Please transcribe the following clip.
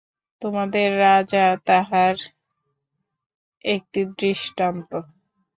তোমাদের রাজা তাহার একটি দৃষ্টান্ত।